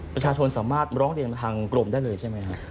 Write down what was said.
ประชาชนสามารถร้องเรียนมาทางกรมได้เลยใช่ไหมครับ